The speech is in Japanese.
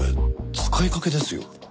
使いかけですよ。